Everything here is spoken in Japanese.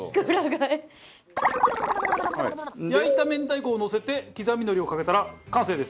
焼いた明太子をのせて刻みのりをかけたら完成です。